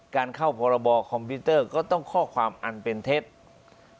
การเข้าพรบคอมพิวเตอร์ก็ต้องข้อความอันเป็นเท็จ